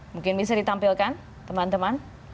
mungkin bisa ditampilkan teman teman